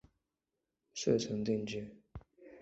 遂成定制。